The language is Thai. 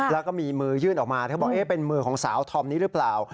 แล้วก็มีมือยื่นออกมาเธอบอกเป็นมือของสาวธอมนี้หรือเปล่า